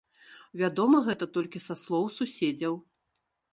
Вядома гэта толькі са слоў суседзяў.